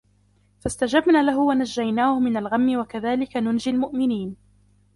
فاستجبنا له ونجيناه من الغم وكذلك ننجي المؤمنين